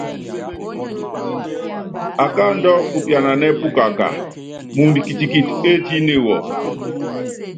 Akáaandú úpiananɛ́ pukaká, muundɔ kitikiti étíne wɔ.